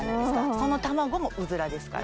その卵もうずらですから。